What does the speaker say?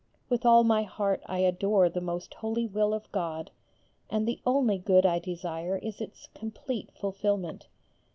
With all my heart I adore the most holy will of God, and the only good I desire is its complete fulfilment.